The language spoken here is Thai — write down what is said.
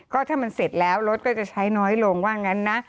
ก็ถ้ามันเสร็จแล้วรถก็จะใช้น้อยลงว่างั้นนะ